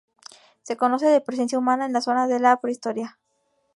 Se conoce de presencia humana en la zona desde la prehistoria.